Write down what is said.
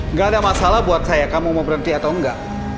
nggak ada masalah buat saya kamu mau berhenti atau enggak